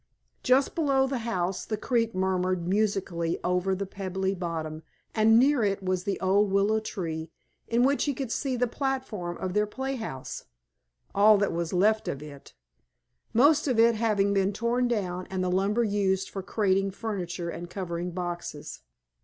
Just below the house the creek murmured musically over its pebbly bottom, and near it was the old willow tree in which he could see the platform of their playhouse—all that was left of it—most of it having been torn down and the lumber used for crating furniture and covering boxes.